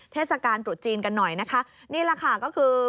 เทศกาลตรุษจีนกันหน่อยนะคะนี่แหละค่ะก็คือ